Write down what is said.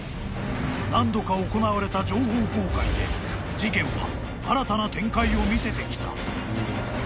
［何度か行われた情報公開で事件は新たな展開を見せてきた］